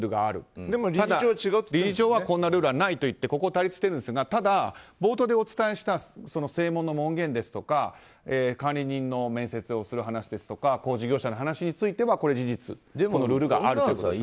ただ、理事長はこんなルールはないと言って対立しているんですがただ、冒頭でお伝えした正門の門限ですとか管理人の面接をする話ですとか工事業者の話については事実ルールがあるということです。